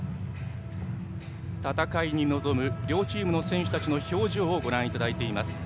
戦いに臨む両チームの選手たちの表情をご覧いただいています。